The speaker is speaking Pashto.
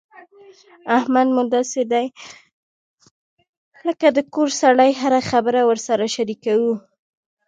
احمد مو داسې دی لکه د کور سړی هره خبره ورسره شریکوو.